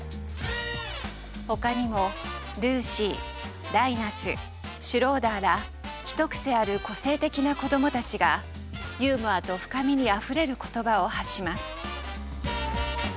他にもルーシーライナスシュローダーら一癖ある個性的な子どもたちがユーモアと深みにあふれる言葉を発します。